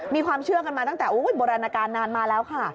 มีความเชื่อกันมาตั้งแต่โบราณการนานมาแล้วค่ะ